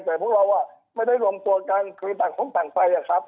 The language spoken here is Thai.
แต่พวกเราไม่ได้รวมตัวกันคือต่างคนต่างไปอะครับ